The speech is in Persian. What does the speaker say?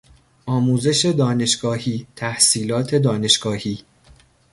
آموزش دانشگاهی، تحصیلات دانشگاهی